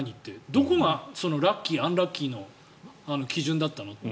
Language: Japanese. どこがラッキー、アンラッキーの基準だったのと。